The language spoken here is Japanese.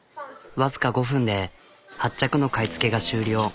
わずか５分で８着の買い付けが終了。